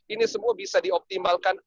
ini semua bisa dioptimalkan